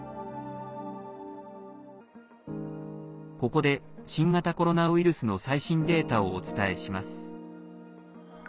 ここで、新型コロナウイルスの最新データをお伝えします。